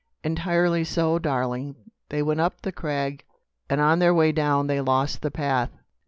"Entirely so, darling. They went up the crag, and on their way down they lost the path.